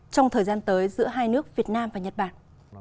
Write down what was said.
trong thời gian tới giữa hai nước việt nam và nhật bản